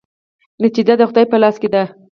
نتیجه د خدای په لاس کې ده؟